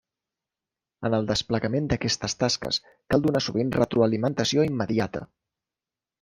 En el desplegament d’aquestes tasques cal donar sovint retroalimentació immediata.